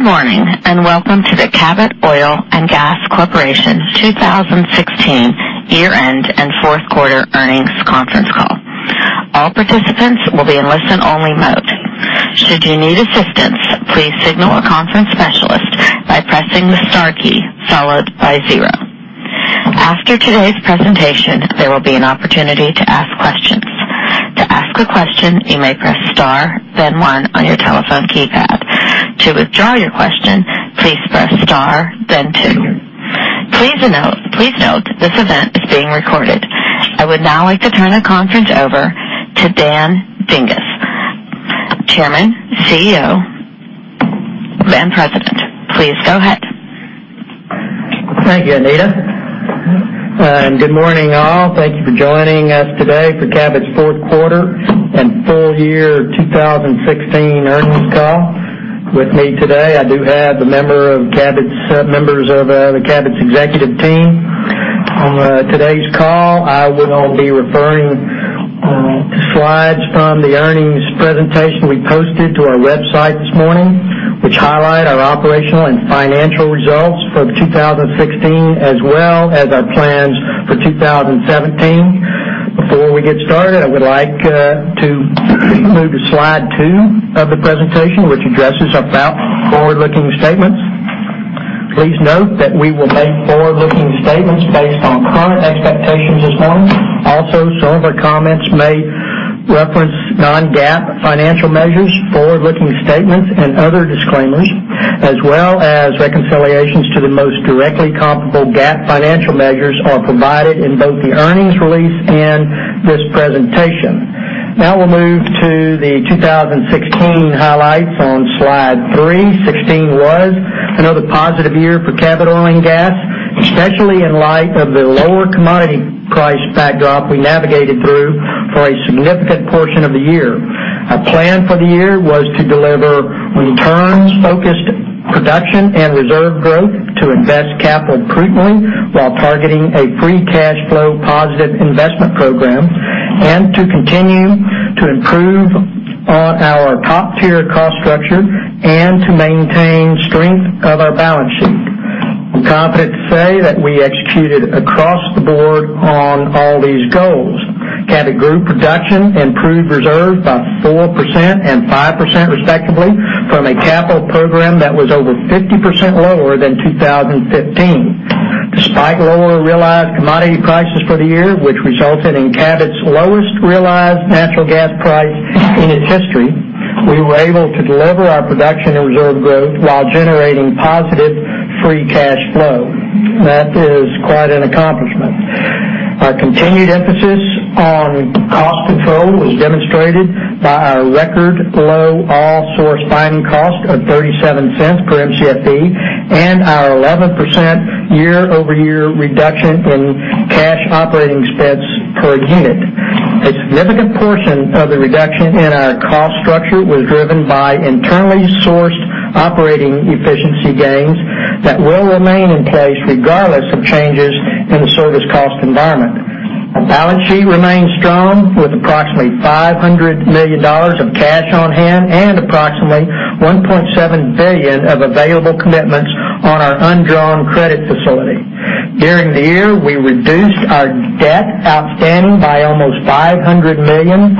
Good morning, and welcome to the Cabot Oil & Gas Corporation 2016 year-end and fourth quarter earnings conference call. All participants will be in listen-only mode. Should you need assistance, please signal a conference specialist by pressing the star key followed by zero. After today's presentation, there will be an opportunity to ask questions. To ask a question, you may press star, then one on your telephone keypad. To withdraw your question, please press star, then two. Please note, this event is being recorded. I would now like to turn the conference over to Dan Dinges, Chairman, CEO, and President. Please go ahead. Thank you, Anita. Good morning, all. Thank you for joining us today for Cabot's fourth quarter and full year 2016 earnings call. With me today, I do have members of the Cabot executive team. On today's call, I will be referring to slides from the earnings presentation we posted to our website this morning, which highlight our operational and financial results for 2016, as well as our plans for 2017. Before we get started, I would like to move to slide two of the presentation, which addresses about forward-looking statements. Please note that we will make forward-looking statements based on current expectations as known. Also, some of our comments may reference non-GAAP financial measures. Forward-looking statements and other disclaimers, as well as reconciliations to the most directly comparable GAAP financial measures, are provided in both the earnings release and this presentation. We'll move to the 2016 highlights on slide three. 2016 was another positive year for Cabot Oil & Gas, especially in light of the lower commodity price backdrop we navigated through for a significant portion of the year. Our plan for the year was to deliver returns-focused production and reserve growth, to invest capital prudently while targeting a free cash flow positive investment program, and to continue to improve on our top-tier cost structure and to maintain strength of our balance sheet. I'm confident to say that we executed across the board on all these goals. Cabot grew production and proved reserve by 4% and 5% respectively from a capital program that was over 50% lower than 2015. Despite lower realized commodity prices for the year, which resulted in Cabot's lowest realized natural gas price in its history, we were able to deliver our production and reserve growth while generating positive free cash flow. That is quite an accomplishment. Our continued emphasis on cost control was demonstrated by our record low all-source finding cost of $0.37 per Mcfe and our 11% year-over-year reduction in cash operating spends per unit. A significant portion of the reduction in our cost structure was driven by internally sourced operating efficiency gains that will remain in place regardless of changes in the service cost environment. Our balance sheet remains strong with approximately $500 million of cash on hand and approximately $1.7 billion of available commitments on our undrawn credit facility. During the year, we reduced our debt outstanding by almost $500 million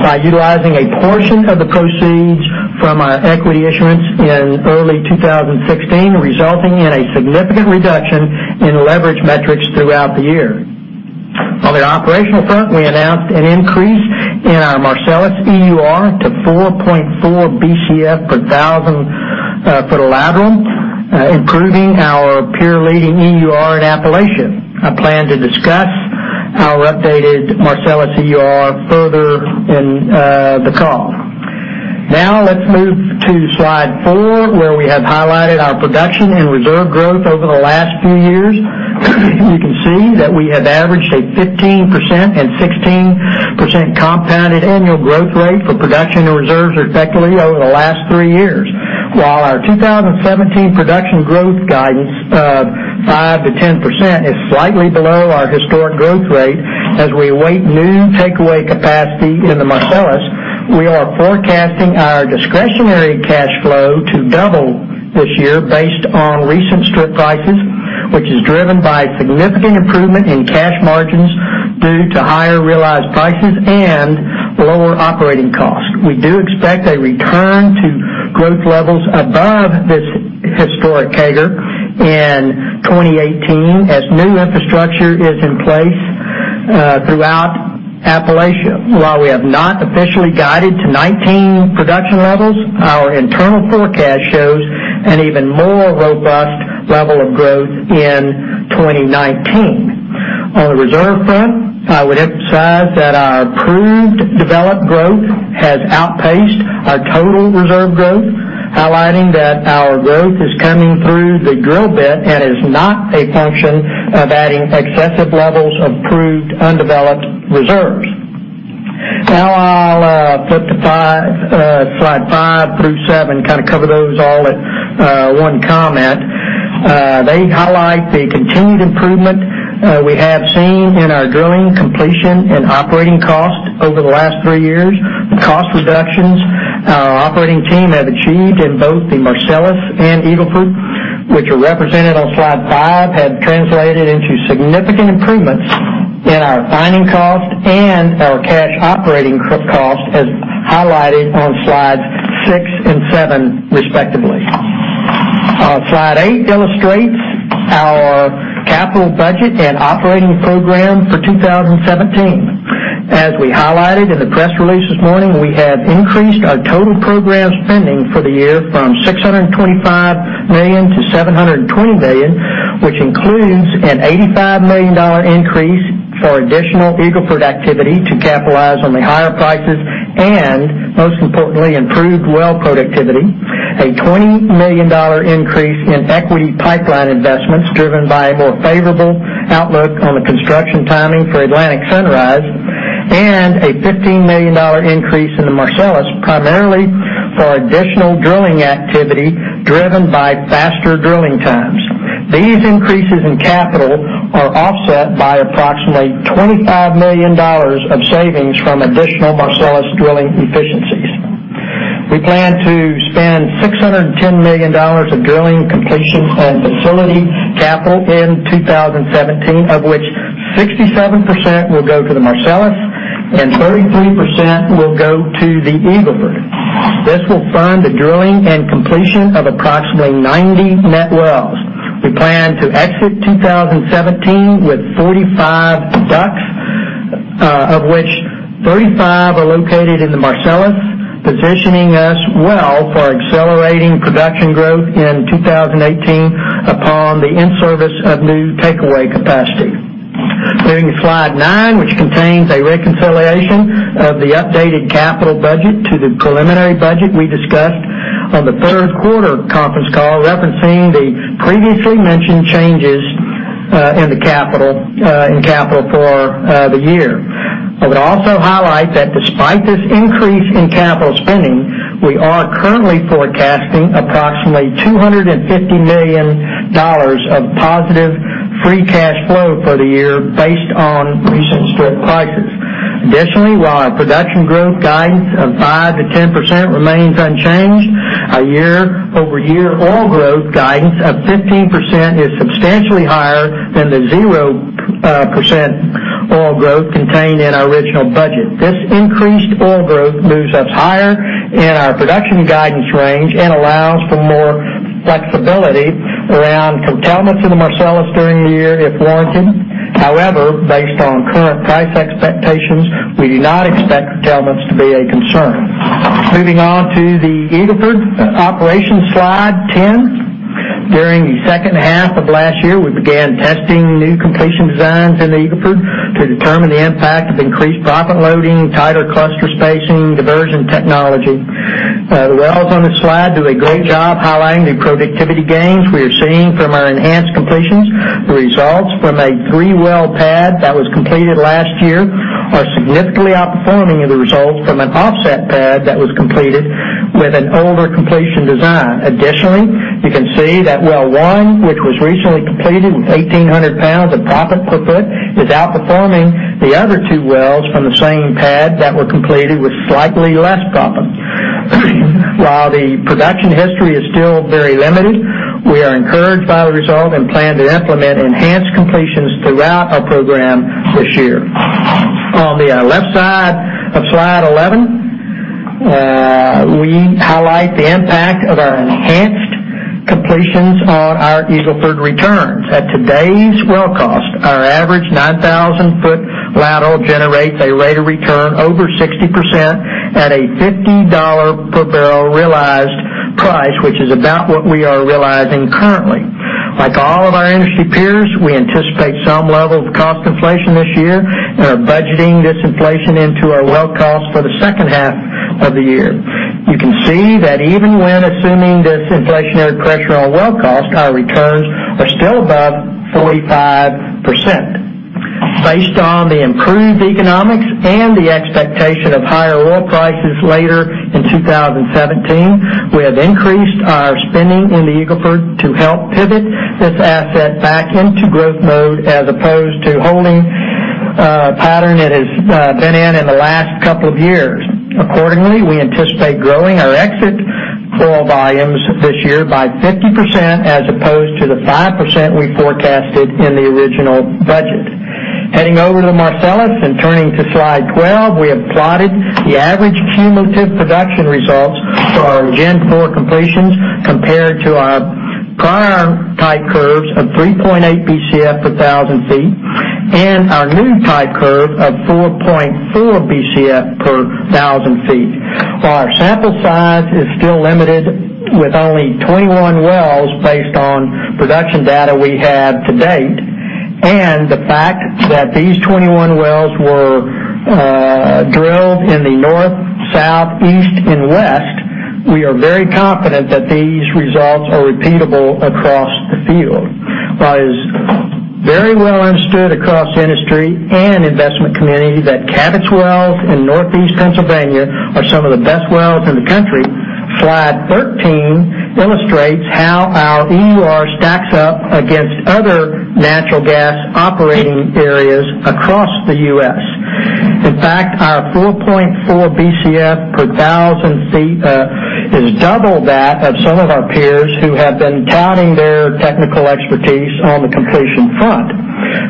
by utilizing a portion of the proceeds from our equity issuance in early 2016, resulting in a significant reduction in leverage metrics throughout the year. On the operational front, we announced an increase in our Marcellus EUR to 4.4 Bcf per 1,000 foot of lateral, improving our peer-leading EUR in Appalachia. I plan to discuss our updated Marcellus EUR further in the call. Now let's move to slide four, where we have highlighted our production and reserve growth over the last few years. You can see that we have averaged a 15% and 16% compounded annual growth rate for production and reserves respectively over the last three years. While our 2017 production growth guidance of 5%-10% is slightly below our historic growth rate as we await new takeaway capacity in the Marcellus, we are forecasting our discretionary cash flow to double this year based on recent strip prices, which is driven by significant improvement in cash margins due to higher realized prices and lower operating costs. We do expect a return to growth levels above this historic CAGR in 2018 as new infrastructure is in place throughout Appalachia. While we have not officially guided to 2019 production levels, our internal forecast shows an even more robust level of growth in 2019. On the reserve front, I would emphasize that our proved developed growth has outpaced our total reserve growth, highlighting that our growth is coming through the drill bit and is not a function of adding excessive levels of proved undeveloped reserves. Now I'll put to Slide five through seven, cover those all at one comment. They highlight the continued improvement we have seen in our drilling completion and operating cost over the last three years. The cost reductions our operating team have achieved in both the Marcellus and Eagle Ford, which are represented on Slide five, have translated into significant improvements in our finding cost and our cash operating cost, as highlighted on Slides six and seven, respectively. Slide eight illustrates our capital budget and operating program for 2017. As we highlighted in the press release this morning, we have increased our total program spending for the year from $625 million-$720 million, which includes an $85 million increase for additional Eagle Ford activity to capitalize on the higher prices and, most importantly, improved well productivity. A $20 million increase in equity pipeline investments driven by a more favorable outlook on the construction timing for Atlantic Sunrise, and a $15 million increase in the Marcellus, primarily for additional drilling activity driven by faster drilling times. These increases in capital are offset by approximately $25 million of savings from additional Marcellus drilling efficiencies. We plan to spend $610 million of drilling completion and facility capital in 2017, of which 67% will go to the Marcellus and 33% will go to the Eagle Ford. This will fund the drilling and completion of approximately 90 net wells. We plan to exit 2017 with 45 DUCs, of which 35 are located in the Marcellus, positioning us well for accelerating production growth in 2018 upon the in-service of new takeaway capacity. Turning to Slide nine, which contains a reconciliation of the updated capital budget to the preliminary budget we discussed on the third quarter conference call, referencing the previously mentioned changes in capital for the year. I would also highlight that despite this increase in capital spending, we are currently forecasting approximately $250 million of positive free cash flow for the year based on recent strip prices. Additionally, while our production growth guidance of 5%-10% remains unchanged, our year-over-year oil growth guidance of 15% is substantially higher than the 0% oil growth contained in our original budget. This increased oil growth moves us higher in our production guidance range and allows for more flexibility around curtailments in the Marcellus during the year if warranted. However, based on current price expectations, we do not expect curtailments to be a concern. Moving on to the Eagle Ford operations, Slide 10. During the second half of last year, we began testing new completion designs in the Eagle Ford to determine the impact of increased proppant loading, tighter cluster spacing, diversion technology. The wells on this slide do a great job highlighting the productivity gains we are seeing from our enhanced completions. The results from a three-well pad that was completed last year are significantly outperforming the results from an offset pad that was completed with an older completion design. Additionally, you can see that Well one, which was recently completed with 1,800 pounds of proppant per foot, is outperforming the other two wells from the same pad that were completed with slightly less proppant. While the production history is still very limited, we are encouraged by the result and plan to implement enhanced completions throughout our program this year. On the left side of Slide 11, we highlight the impact of our enhanced completions on our Eagle Ford returns. At today's well cost, our average 9,000-foot lateral generates a rate of return over 60% at a $50 per barrel realized price, which is about what we are realizing currently. Like all of our industry peers, we anticipate some level of cost inflation this year and are budgeting this inflation into our well costs for the second half of the year. You can see that even when assuming this inflationary pressure on well cost, our returns are still above 45%. Based on the improved economics and the expectation of higher oil prices later in 2017, we have increased our spending in the Eagle Ford to help pivot this asset back into growth mode, as opposed to holding pattern it has been in the last couple of years. We anticipate growing our exit oil volumes this year by 50%, as opposed to the 5% we forecasted in the original budget. Heading over to the Marcellus and turning to Slide 12, we have plotted the average cumulative production results for our Gen 4 completions compared to our prior type curves of 3.8 Bcf per 1,000 feet and our new type curve of 4.4 Bcf per 1,000 feet. While our sample size is still limited with only 21 wells based on production data we have to date, and the fact that these 21 wells were drilled in the north, south, east, and west, we are very confident that these results are repeatable across the field. While it is very well understood across the industry and investment community that Cabot's wells in Northeast Pennsylvania are some of the best wells in the country, slide 13 illustrates how our EUR stacks up against other natural gas operating areas across the U.S. In fact, our 4.4 Bcf per 1,000 feet is double that of some of our peers who have been touting their technical expertise on the completion front.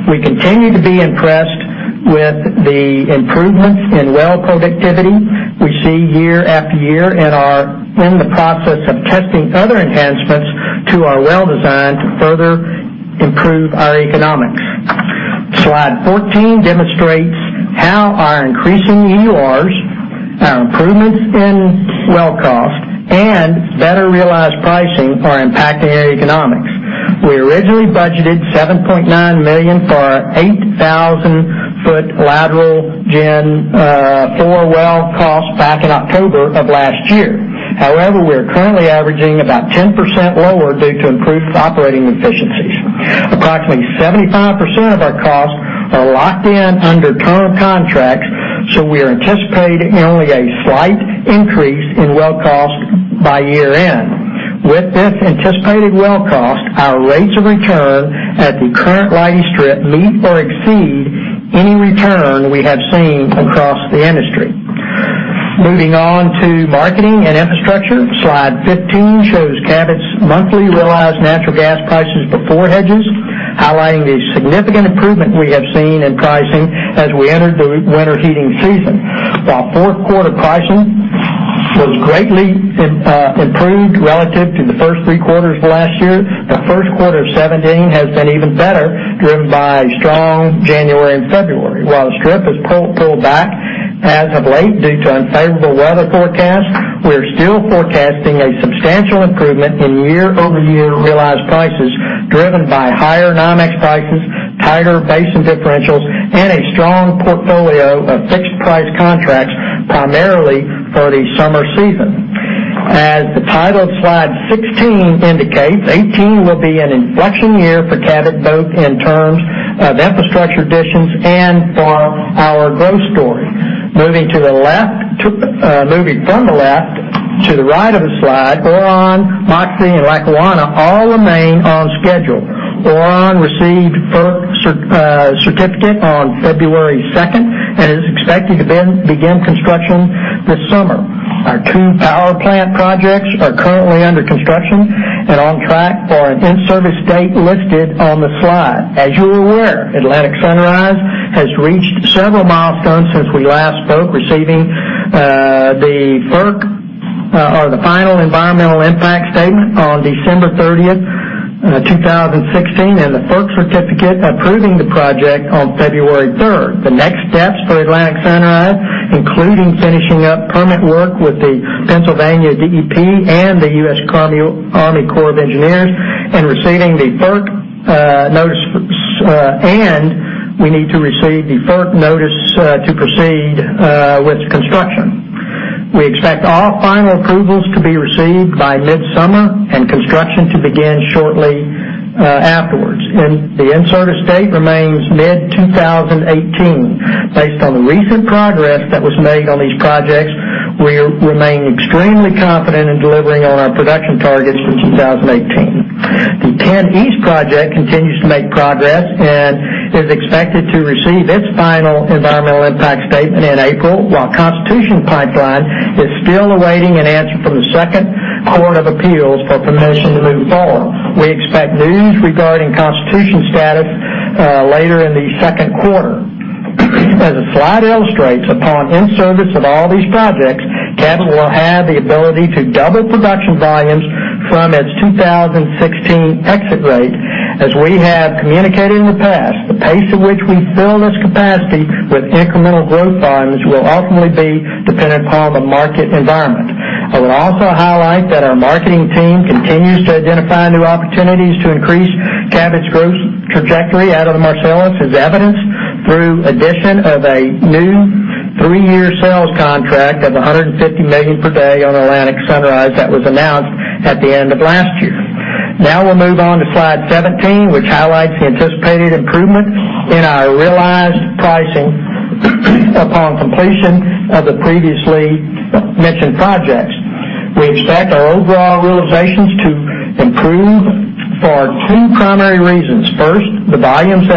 We continue to be impressed with the improvements in well productivity we see year after year and are in the process of testing other enhancements to our well design to further improve our economics. Slide 14 demonstrates how our increasing EURs, our improvements in well cost, and better realized pricing are impacting our economics. We originally budgeted $7.9 million for our 8,000-foot lateral Gen IV well cost back in October of last year. However, we are currently averaging about 10% lower due to improved operating efficiencies. Approximately 75% of our costs are locked in under term contracts, so we are anticipating only a slight increase in well cost by year-end. With this anticipated well cost, our rates of return at the current legacy strip meet or exceed any return we have seen across the industry. Moving on to marketing and infrastructure. Slide 15 shows Cabot's monthly realized natural gas prices before hedges, highlighting the significant improvement we have seen in pricing as we entered the winter heating season. While fourth quarter pricing was greatly improved relative to the first three quarters of last year, the first quarter of 2017 has been even better, driven by strong January and February. While the strip has pulled back as of late due to unfavorable weather forecasts, we're still forecasting a substantial improvement in year-over-year realized prices driven by higher NYMEX prices, tighter basin differentials, and a strong portfolio of fixed price contracts, primarily for the summer season. As the title of slide 16 indicates, 2018 will be an inflection year for Cabot, both in terms of infrastructure additions and for our growth story. Moving from the left to the right of the slide, Orion, Moxie, and Lackawanna all remain on schedule. Orion received FERC certificate on February 2nd and is expected to begin construction this summer. Our two power plant projects are currently under construction and on track for an in-service date listed on the slide. As you are aware, Atlantic Sunrise has reached several milestones since we last spoke, receiving the FERC or the final environmental impact statement on December 30th, 2016, and the FERC certificate approving the project on February 3rd. The next steps for Atlantic Sunrise include finishing up permit work with the Pennsylvania DEP and the U.S. Army Corps of Engineers and receiving the FERC notice. We need to receive the FERC notice to proceed with construction. We expect all final approvals to be received by mid-summer and construction to begin shortly afterwards. The in-service date remains mid-2018. Based on the recent progress that was made on these projects, we remain extremely confident in delivering on our production targets for 2018. The PennEast project continues to make progress and is expected to receive its final environmental impact statement in April. While Constitution Pipeline is still awaiting an answer from the Second Court of Appeals for permission to move forward. We expect news regarding Constitution status later in the second quarter. As the slide illustrates, upon in-service of all these projects, Cabot will have the ability to double production volumes from its 2016 exit rate. As we have communicated in the past, the pace at which we fill this capacity with incremental growth volumes will ultimately be dependent upon the market environment. I would also highlight that our marketing team continues to identify new opportunities to increase Cabot's growth trajectory out of the Marcellus, as evidenced through addition of a new 3-year sales contract of 150 million per day on Atlantic Sunrise that was announced at the end of last year. We'll move on to slide 17, which highlights the anticipated improvement in our realized pricing upon completion of the previously mentioned projects. We expect our overall realizations to improve for two primary reasons. First, the volumes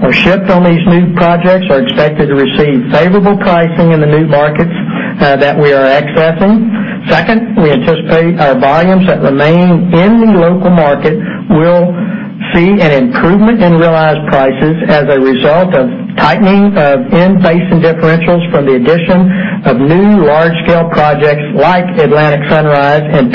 that are shipped on these new projects are expected to receive favorable pricing in the new markets that we are accessing. Second, we anticipate our volumes that remain in the local market will see an improvement in realized prices as a result of tightening of in-basin differentials from the addition of new large-scale projects like Atlantic Sunrise and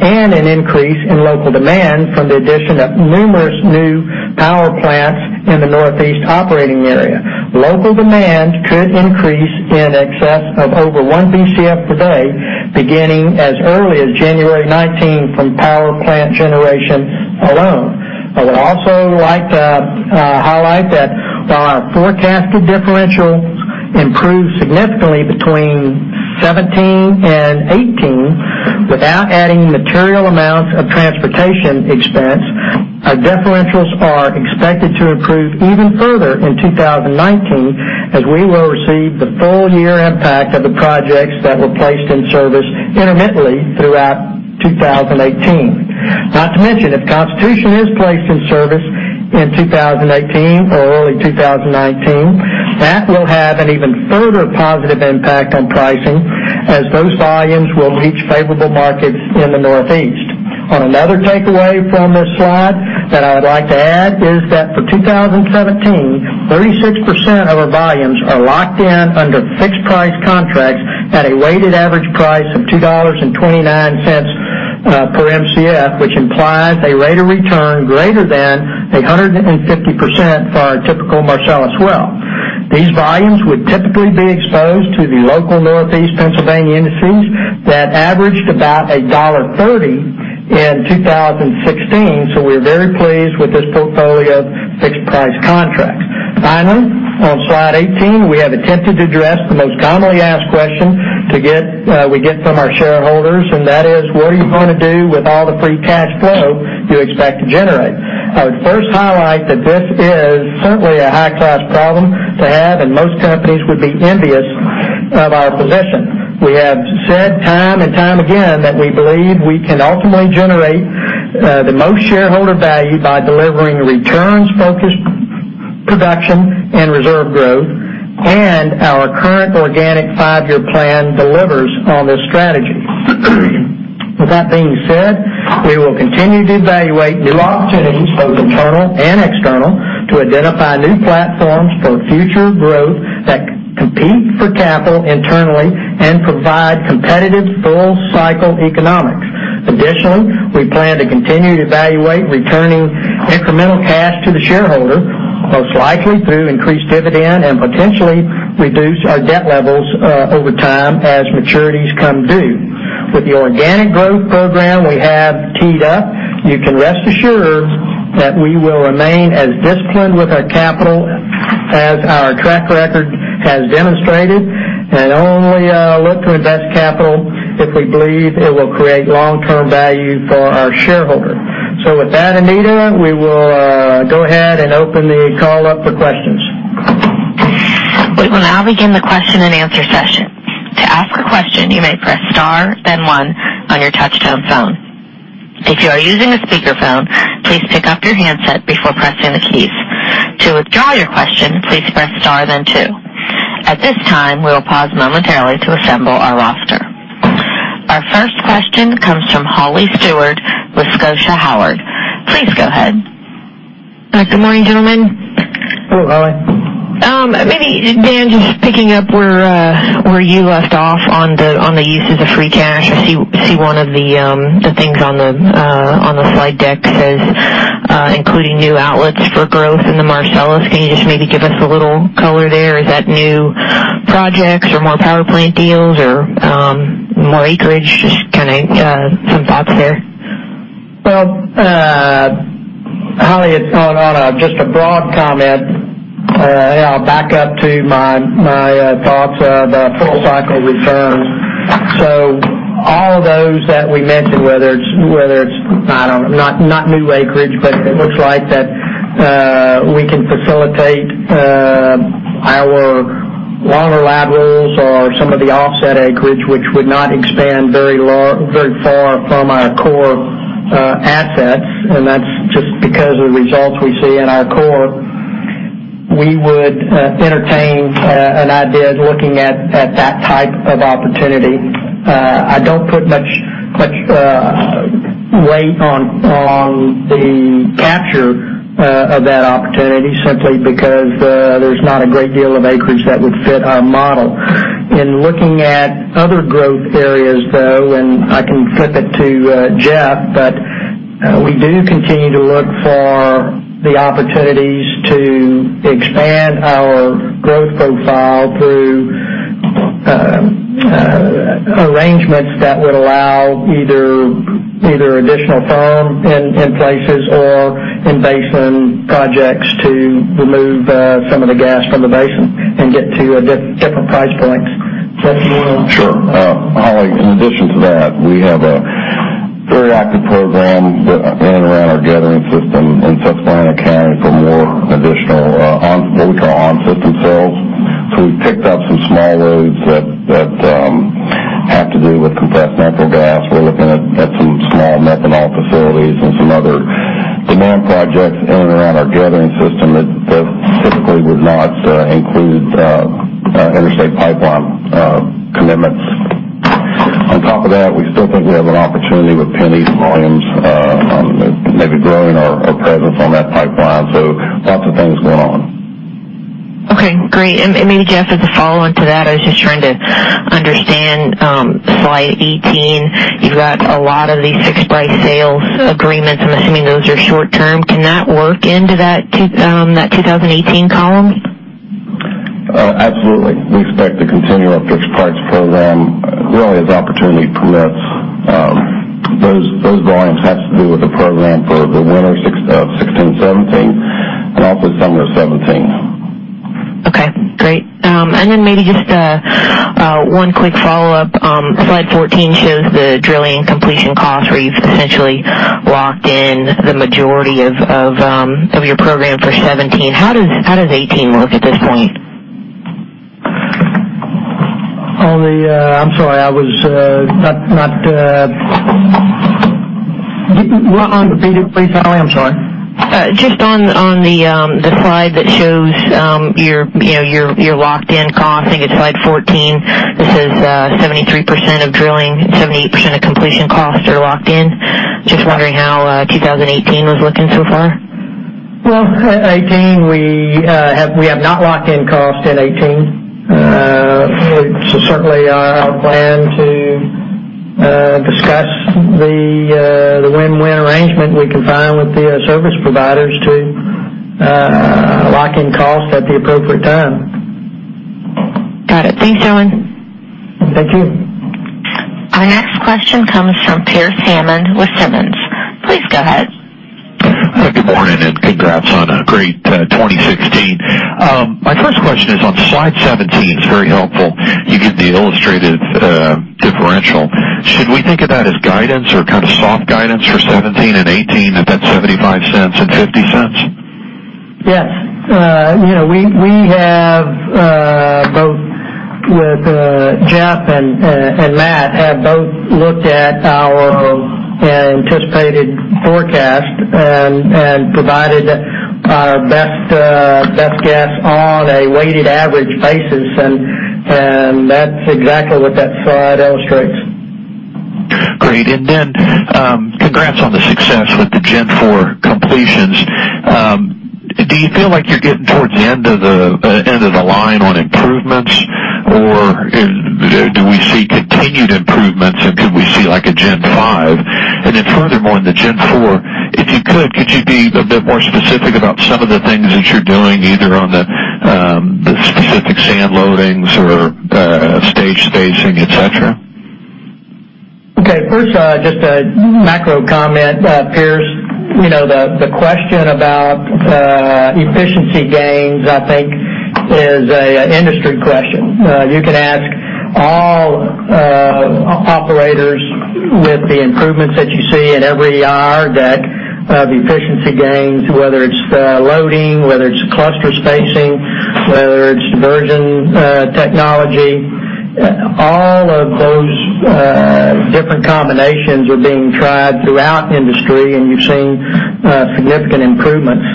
PennEast. An increase in local demand from the addition of numerous new power plants in the Northeast operating area. Local demand could increase in excess of over one Bcf per day beginning as early as January 2019 from power plant generation alone. I would also like to highlight that while our forecasted differential improved significantly between 2017 and 2018 without adding material amounts of transportation expense. Our differentials are expected to improve even further in 2019 as we will receive the full year impact of the projects that were placed in service intermittently throughout 2018. Not to mention, if Constitution is placed in service in 2018 or early 2019, that will have an even further positive impact on pricing as those volumes will reach favorable markets in the Northeast. Another takeaway from this slide that I'd like to add is that for 2017, 36% of our volumes are locked in under fixed price contracts at a weighted average price of $2.29 per Mcf, which implies a rate of return greater than 150% for our typical Marcellus well. These volumes would typically be exposed to the local Northeast Pennsylvania indices that averaged about $1.30 in 2016. We're very pleased with this portfolio of fixed price contracts. Finally, on slide 18, we have attempted to address the most commonly asked question we get from our shareholders, and that is, what are you going to do with all the free cash flow you expect to generate? I would first highlight that this is certainly a high-class problem to have, and most companies would be envious of our position. We have said time and time again that we believe we can ultimately generate the most shareholder value by delivering returns-focused production and reserve growth, and our current organic 5-year plan delivers on this strategy. With that being said, we will continue to evaluate new opportunities, both internal and external, to identify new platforms for future growth that compete for capital internally and provide competitive full-cycle economics. Additionally, we plan to continue to evaluate returning incremental cash to the shareholder, most likely through increased dividend and potentially reduce our debt levels over time as maturities come due. With the organic growth program we have teed up, you can rest assured that we will remain as disciplined with our capital as our track record has demonstrated and only look to invest capital if we believe it will create long-term value for our shareholder. With that, Anita, we will go ahead and open the call up for questions. We will now begin the question and answer session. To ask a question, you may press star then one on your touchtone phone. If you are using a speakerphone, please pick up your handset before pressing the keys. To withdraw your question, please press star then two. At this time, we will pause momentarily to assemble our roster. Our first question comes from Holly Stewart with Scotia Howard. Please go ahead. Good morning, gentlemen. Hello, Holly. Maybe Dan, just picking up where you left off on the use of the free cash. I see one of the things on the slide deck says including new outlets for growth in the Marcellus. Can you just maybe give us a little color there? Is that new projects or more power plant deals or more acreage? Just some thoughts there. Well, Holly, on just a broad comment, I'll back up to my thoughts about full cycle returns. All of those that we mentioned, whether it's not new acreage, but it looks like that we can facilitate our longer laterals or some of the offset acreage, which would not expand very far from our core assets. That's just because of the results we see in our core. We would entertain an idea of looking at that type of opportunity. I don't put much weight on the capture of that opportunity simply because there's not a great deal of acreage that would fit our model. In looking at other growth areas, though, I can flip it to Jeff, we do continue to look for the opportunities to expand our growth profile through arrangements that would allow either additional firm in places or in basin projects to remove some of the gas from the basin and get to different price points. Jeff, do you want to? Sure. Holly, in addition to that, we have a very active program in and around our gathering system in Susquehanna County for more additional what we call on-system sales. We've picked up some small loads that have to do with compressed natural gas. We're looking at some small methanol facilities and some other demand projects in and around our gathering system that typically would not include interstate pipeline commitments. On top of that, we still think we have an opportunity with PennEast volumes on maybe growing our presence on that pipeline. Lots of things going on. Maybe Jeff, as a follow on to that, I was just trying to understand slide 18. You've got a lot of these fixed price sales agreements. I'm assuming those are short-term. Can that work into that 2018 column? Absolutely. We expect to continue our fixed price program really as opportunity permits. Those volumes have to do with the program for the winter of 2016, 2017, and also summer of 2017. Great. Maybe just one quick follow-up. Slide 14 shows the drilling completion cost, where you've essentially locked in the majority of your program for 2017. How does 2018 look at this point? I'm sorry. Could you run that again please? I'm sorry. Just on the slide that shows your locked-in cost. I think it's slide 14. It says 73% of drilling, 78% of completion costs are locked in. Just wondering how 2018 was looking so far. Well, 2018, we have not locked in cost in 2018. It's certainly our plan to discuss the win-win arrangement we can find with the service providers to lock in cost at the appropriate time. Got it. Thanks, Dan. Thank you. Our next question comes from Pearce Hammond with Simmons. Please go ahead. Good morning, congrats on a great 2016. My first question is on slide 17. It's very helpful you give the illustrated differential. Should we think of that as guidance or kind of soft guidance for 2017 and 2018 at that $0.75 and $0.50? Yes. Both Jeff and Matt have both looked at our anticipated forecast and provided our best guess on a weighted average basis, that's exactly what that slide illustrates. Great. Then, congrats on the success with the Gen 4 completions. Do you feel like you're getting towards the end of the line on improvements, or do we see continued improvements, could we see a Gen 5? Furthermore, on the Gen 4, if you could you be a bit more specific about some of the things that you're doing, either on the specific sand loadings or stage spacing, et cetera? Okay. First, just a macro comment, Pearce. The question about efficiency gains, I think, is an industry question. You can ask all operators with the improvements that you see at every IR deck of efficiency gains, whether it's loading, whether it's cluster spacing, whether it's diversion technology. All of those different combinations are being tried throughout industry, and we've seen significant improvements.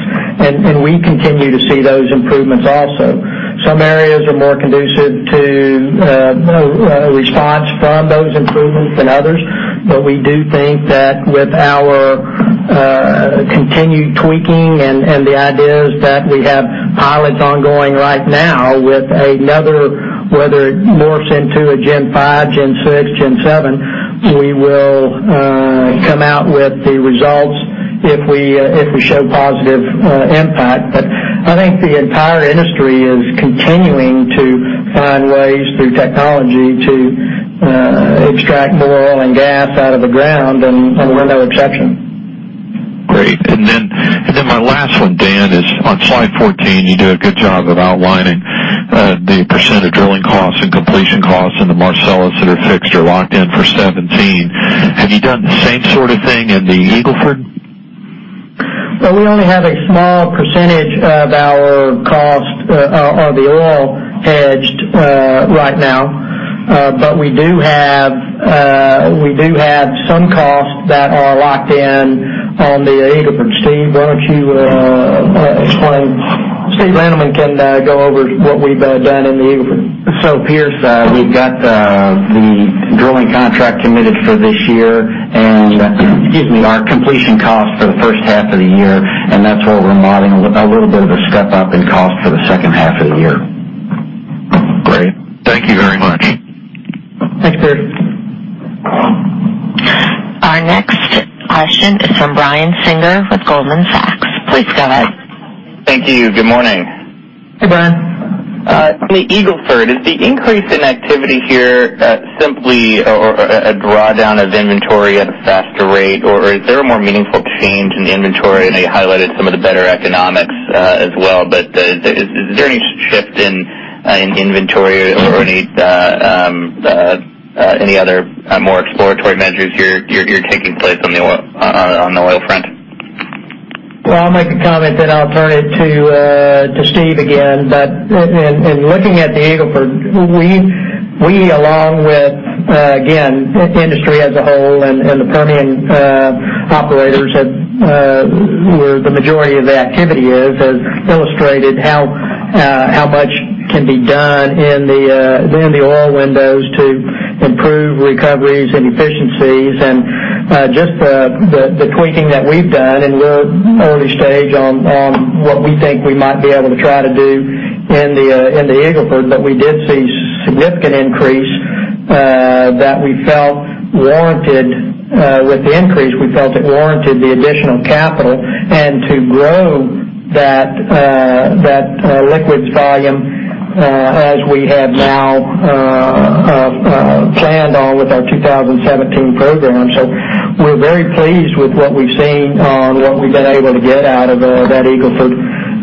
We continue to see those improvements also. Some areas are more conducive to response from those improvements than others. We do think that with our continued tweaking and the ideas that we have pilots ongoing right now with another, whether it morphs into a Gen 5, Gen 6, Gen 7, we will come out with the results if we show positive impact. I think the entire industry is continuing to find ways through technology to extract more oil and gas out of the ground, and we're no exception. Great. My last one, Dan, is on slide 14. You do a good job of outlining the % of drilling costs and completion costs in the Marcellus that are fixed or locked in for 2017. Have you done the same sort of thing in the Eagle Ford? Well, we only have a small % of our cost of the oil hedged right now. We do have some costs that are locked in on the Eagle Ford. Steve, why don't you explain? Steve Lindeman can go over what we've done in the Eagle Ford. Pearce, we've got the drilling contract committed for this year and excuse me, our completion cost for the first half of the year, and that's where we're modeling a little bit of a step-up in cost for the second half of the year. Great. Thank you very much. Thanks, Pearce. Our next question is from Brian Singer with Goldman Sachs. Please go ahead. Thank you. Good morning. Hey, Brian. On the Eagle Ford, is the increase in activity here simply a drawdown of inventory at a faster rate, or is there a more meaningful change in inventory? I know you highlighted some of the better economics as well, but is there any shift in inventory or any other more exploratory measures you're taking place on the oil front? Well, I'll make a comment, then I'll turn it to Steve again. In looking at the Eagle Ford, we along with, again, industry as a whole and the Permian operators where the majority of the activity is, has illustrated how much can be done in the oil windows to improve recoveries and efficiencies. Just the tweaking that we've done, and we're early stage on what we think we might be able to try to do in the Eagle Ford, but we did see significant increase that we felt warranted with the increase, we felt it warranted the additional capital, and to grow that liquids volume as we have now planned on with our 2017 program. We're very pleased with what we've seen on what we've been able to get out of that Eagle Ford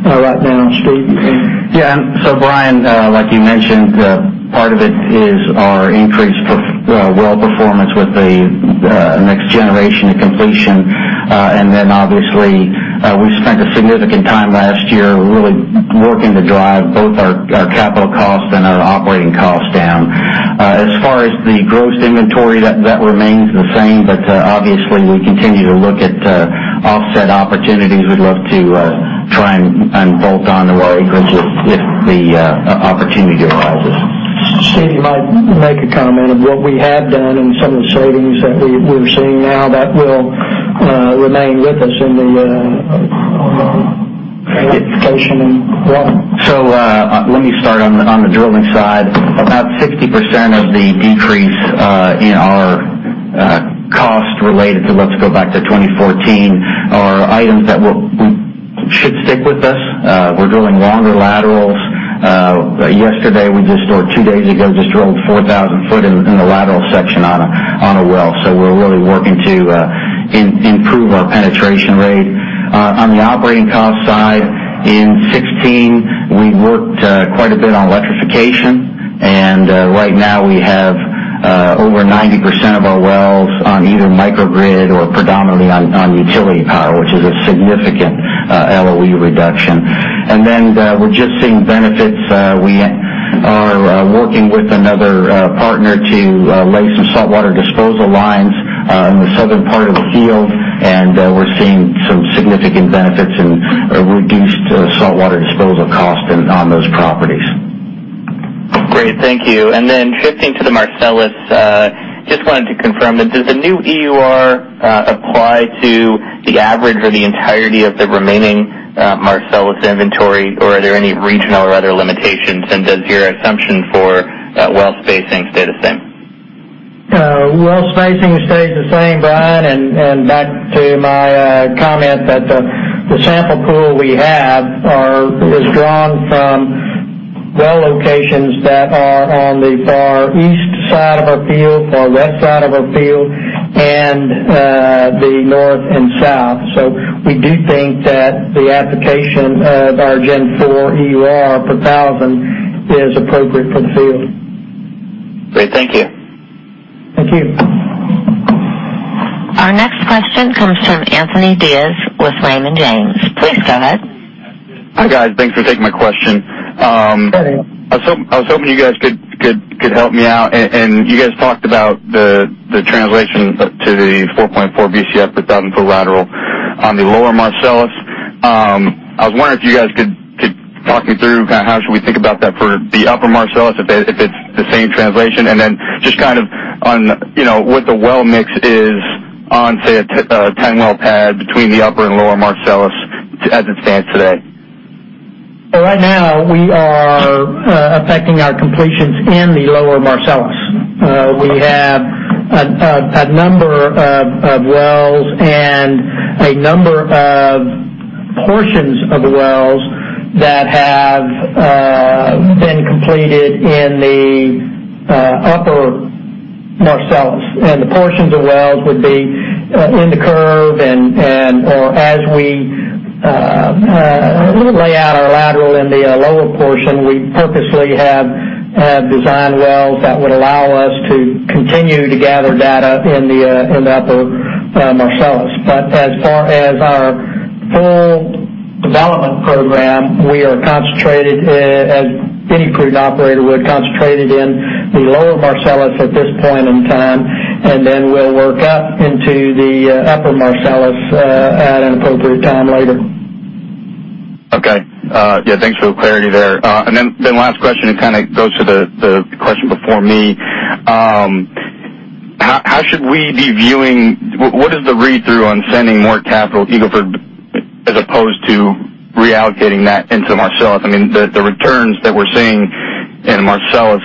right now. Steve? Brian, like you mentioned, part of it is our increased well performance with the next generation of completion. Obviously, we've spent a significant time last year really working to drive both our capital costs and our operating costs down. As far as the gross inventory, that remains the same. Obviously, we continue to look at offset opportunities. We'd love to try and bolt onto our acreage if the opportunity arises. Steve, you might make a comment of what we have done and some of the savings that we're seeing now that will remain with us in the electrification and well. Let me start on the drilling side. About 60% of the decrease in our cost related to, let's go back to 2014, are items that should stick with us. We're drilling longer laterals. Yesterday, two days ago, just drilled 4,000 foot in the lateral section on a well. We're really working to improve our penetration rate. On the operating cost side, in 2016, we worked quite a bit on electrification, and right now we have over 90% of our wells on either microgrid or predominantly on utility power, which is a significant LOE reduction. We're just seeing benefits. We are working with another partner to lay some saltwater disposal lines in the southern part of the field, and we're seeing some significant benefits in reduced saltwater disposal cost on those properties. Great. Thank you. Shifting to the Marcellus, just wanted to confirm that does the new EUR apply to the average or the entirety of the remaining Marcellus inventory, or are there any regional or other limitations? Does your assumption for well spacing stay the same? Well spacing stays the same, Brian. Back to my comment that the sample pool we have is drawn from well locations that are on the far east side of our field, far west side of our field, and the north and south. We do think that the application of our Gen 4 EUR per thousand is appropriate for the field. Great. Thank you. Thank you. Our next question comes from Anthony Diaz with Raymond James. Please go ahead. Hi, guys. Thanks for taking my question. Sure. I was hoping you guys could help me out. You guys talked about the translation to the 4.4 Bcf per thousand foot lateral on the lower Marcellus. I was wondering if you guys could talk me through how should we think about that for the upper Marcellus, if it's the same translation, and then just what the well mix is on, say, a 10-well pad between the upper and lower Marcellus as it stands today. Right now, we are affecting our completions in the lower Marcellus. We have a number of wells and a number of portions of wells that have been completed in the upper Marcellus, and the portions of wells would be in the curve. As we lay out our lateral in the lower portion, we purposely have designed wells that would allow us to continue to gather data in the upper Marcellus. As far as our full development program, we are concentrated, as any core operator would, concentrated in the lower Marcellus at this point in time, and then we'll work up into the upper Marcellus at an appropriate time later. Okay. Yeah, thanks for the clarity there. Last question, it goes to the question before me. What is the read-through on sending more capital Eagle Ford as opposed to reallocating that into Marcellus? The returns that we're seeing in Marcellus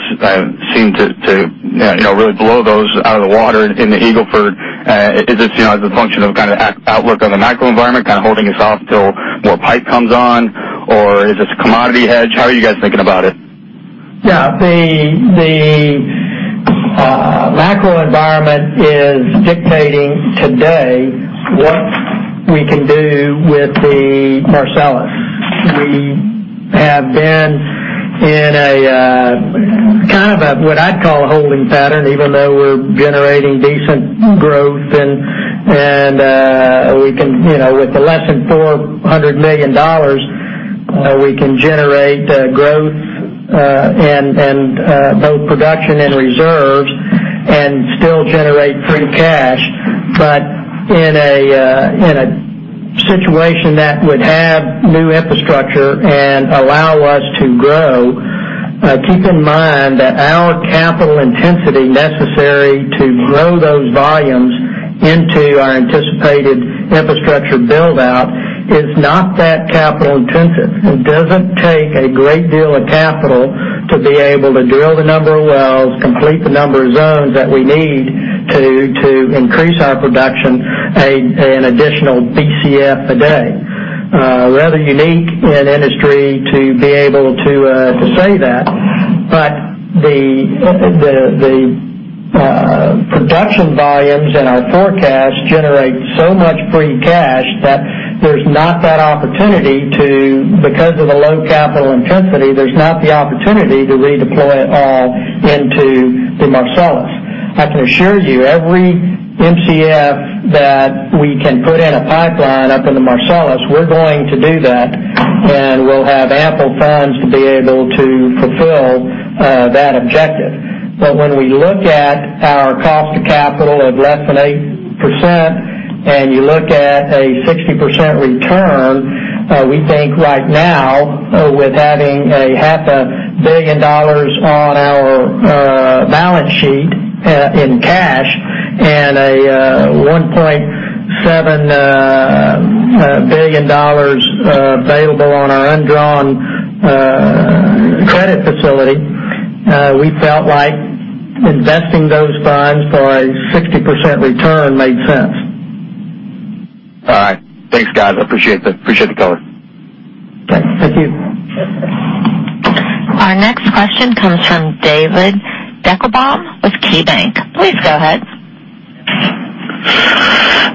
seem to really blow those out of the water in the Eagle Ford. Is this the function of outlook on the macro environment, holding us off till more pipe comes on? Is this a commodity hedge? How are you guys thinking about it? Yeah. The macro environment is dictating today what we can do with the Marcellus. We have been in a what I'd call a holding pattern, even though we're generating decent growth, and with the less than $400 million, we can generate growth in both production and reserves and still generate free cash. In a situation that would have new infrastructure and allow us to grow, keep in mind that our capital intensity necessary to grow those volumes into our anticipated infrastructure build-out is not that capital intensive. It doesn't take a great deal of capital to be able to drill the number of wells, complete the number of zones that we need to increase our production an additional Bcf a day. Rather unique in industry to be able to say that. The production volumes and our forecast generate so much free cash that, because of the low capital intensity, there's not the opportunity to redeploy it all into the Marcellus. I can assure you, every Mcf that we can put in a pipeline up in the Marcellus, we're going to do that, and we'll have ample funds to be able to fulfill that objective. When we look at our cost of capital of less than 8% and you look at a 60% return, we think right now, with having a half a billion dollars on our balance sheet in cash and a $1.7 billion available on our undrawn credit facility, we felt like investing those funds for a 60% return made sense. All right. Thanks, guys. I appreciate the color. Thanks. Thank you. Our next question comes from David Deckelbaum with KeyBanc. Please go ahead.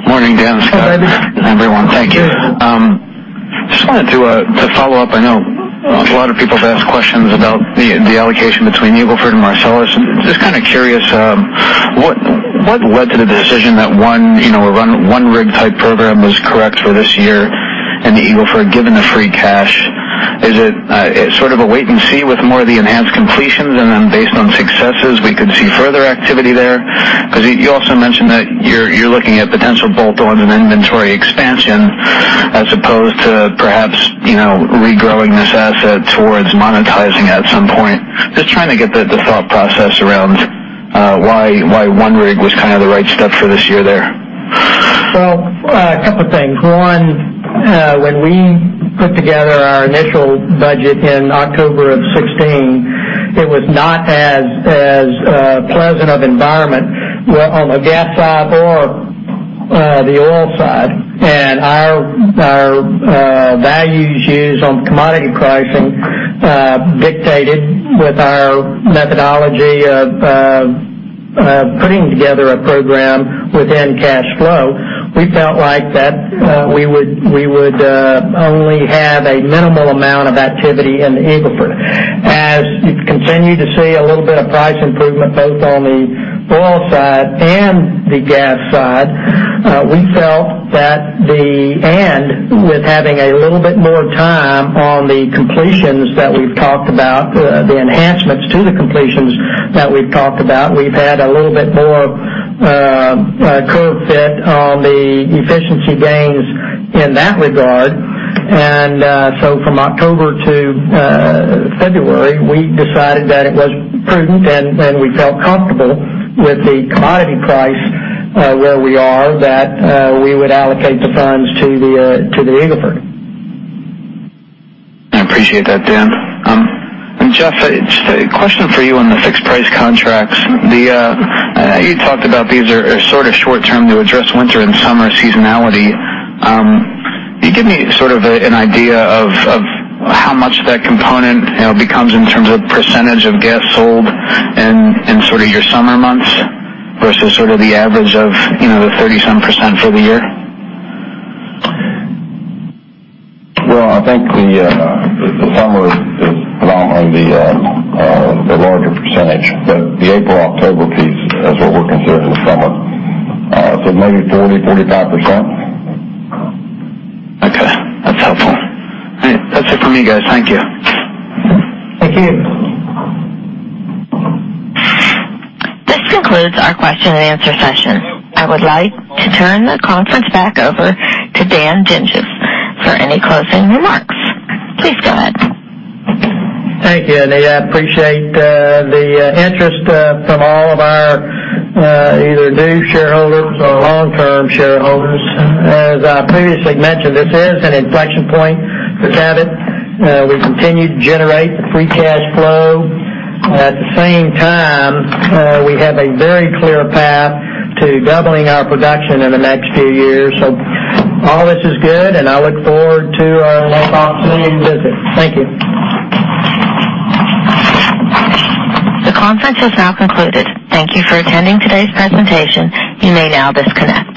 Morning, Dan and Scott. Hi, David. Everyone. Thank you. Just wanted to follow up. I know a lot of people have asked questions about the allocation between Eagle Ford and Marcellus. Just curious, what led to the decision that one rig type program was correct for this year in the Eagle Ford, given the free cash? Is it a wait and see with more of the enhanced completions and then based on successes, we could see further activity there? Because you also mentioned that you're looking at potential bolt-ons and inventory expansion as opposed to perhaps regrowing this asset towards monetizing at some point. Just trying to get the thought process around why one rig was the right step for this year there. A couple things. One, when we put together our initial budget in October of 2016, it was not as pleasant of environment on the gas side or the oil side. Our values used on commodity pricing dictated with our methodology of putting together a program within cash flow. We felt like that we would only have a minimal amount of activity in the Eagle Ford. As you continue to see a little bit of price improvement, both on the oil side and the gas side, and with having a little bit more time on the completions that we've talked about, the enhancements to the completions that we've talked about, we've had a little bit more curve fit on the efficiency gains in that regard. From October to February, we decided that it was prudent, and we felt comfortable with the commodity price where we are, that we would allocate the funds to the Eagle Ford. I appreciate that, Dan. Jeff, just a question for you on the fixed price contracts. You talked about these are short-term to address winter and summer seasonality. Can you give me an idea of how much that component becomes in terms of percentage of gas sold in your summer months versus the average of the 37% for the year? I think the summer is predominantly the larger percentage, but the April-October piece is what we're considering summer. Maybe 30%, 35%. Okay. That's helpful. That's it from me, guys. Thank you. Thank you. This concludes our question and answer session. I would like to turn the conference back over to Dan Dinges for any closing remarks. Please go ahead. Thank you, Anita. I appreciate the interest from all of our either new shareholders or long-term shareholders. As I previously mentioned, this is an inflection point for Cabot. We continue to generate the free cash flow. At the same time, we have a very clear path to doubling our production in the next few years. All this is good, and I look forward to our next opportunity to visit. Thank you. The conference is now concluded. Thank you for attending today's presentation. You may now disconnect.